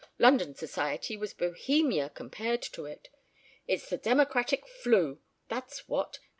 London Society was Bohemia compared to it. It's the democratic flu, that's what!